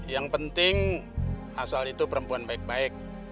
yang penting asal itu perempuan baik baik